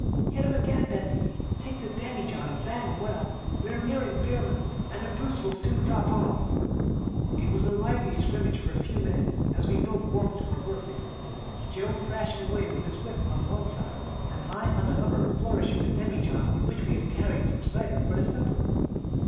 "'Hit 'em again, Betsey! Take the demijohn and bang 'em well. We are nearing Beaman's, and the brutes will soon drop off.' "It was a lively scrimmage for a few minutes, as we both warmed to our work, Joe thrashing away with his whip on one side, and I on the other flourishing the demijohn in which we had carried some cider for the supper.